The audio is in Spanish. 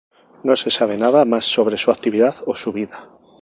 No se sabe nada más sobre su actividad o su vida.